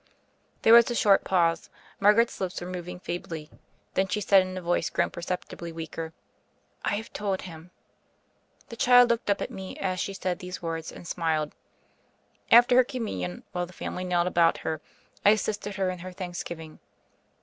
There was a short pause; Margaret's lips were moving feebly; then she said in a voice grown perceptibly weaker, "I have told Him." The child looked up at me as she said these words, and smiled. After her Communion, while the family knelt about her, I assisted her in her thanksgiving.